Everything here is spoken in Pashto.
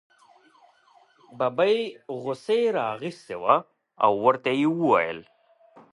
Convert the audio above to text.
ببۍ غوسې را اخیستې وه او ورته یې وویل.